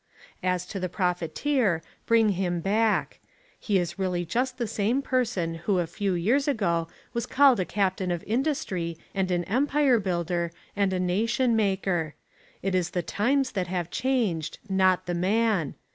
As to the profiteer, bring him back. He is really just the same person who a few years ago was called a Captain of Industry and an Empire Builder and a Nation Maker. It is the times that have changed, not the man.